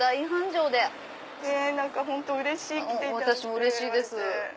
私もうれしいです。